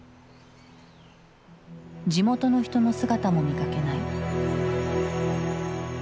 地元の人の姿も見かけない。